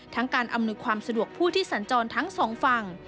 การอำนวยความสะดวกผู้ที่สัญจรทั้งสองฝั่ง